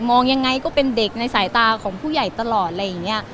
มองยังไงก็เป็นเด็กในสายตาของผู้ใหญ่ตลอดอะไรอย่างนี้